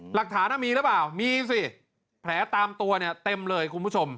หลักฐานมีหรือเปล่ามีสิแผลตามตัวเนี่ยเต็มเลยคุณผู้ชม